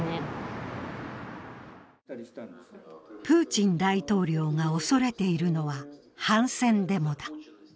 プーチン大統領が恐れているのは反戦デモだ。